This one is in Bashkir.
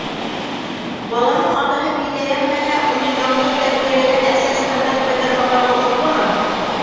— Баланың атаһы билдәләнмәһә, уны яңғыҙ тәрбиәләгән әсә стандарт ҡайтармаға хоҡуҡлымы?